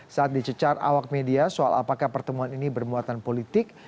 saat dicecar awak media soal apakah pertemuan ini bermuatan politik